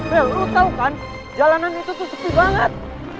bel lo tau kan jalanan itu tuh sepi banget